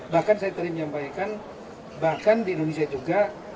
bahkan saya tadi menyampaikan bahkan di indonesia juga